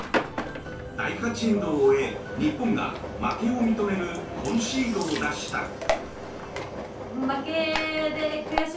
第８エンドを終え日本が負けを認めるコンシードを出した。